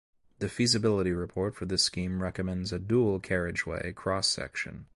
The feasibility report for this scheme recommends a dual carriageway cross section.